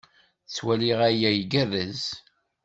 Ttwaliɣ aya igerrez.